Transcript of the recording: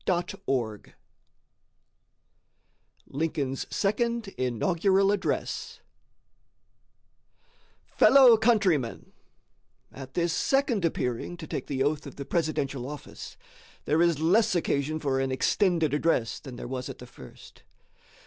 Lincoln's Second Inaugural Address March 4, 1865 Fellow countrymen: At this second appearing to take the oath of the presidential office, there is less occasion for an extended address than there was at the first.